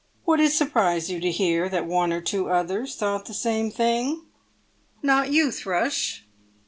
"Would it surprise you to hear that one or two others thought the same thing?" "Not you, Thrush?"